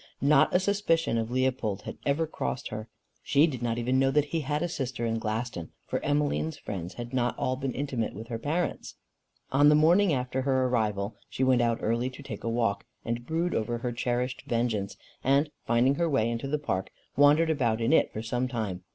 Not a suspicion of Leopold had ever crossed her. She did not even know that he had a sister in Glaston, for Emmeline's friends had not all been intimate with her parents. On the morning after her arrival, she went out early to take a walk, and brood over her cherished vengeance; and finding her way into the park, wandered about in it for some time.